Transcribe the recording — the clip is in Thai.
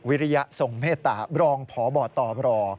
วิริยทรงเมตตาบรองพบตร